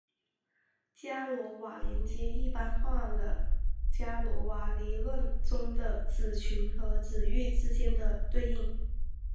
伽罗瓦连接一般化了伽罗瓦理论中在子群和子域之间的对应。